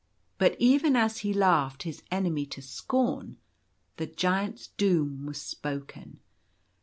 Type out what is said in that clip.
But even as he laughed his enemy to scorn, the Giant's doom was spoken.